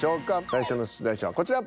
最初の出題者はこちら。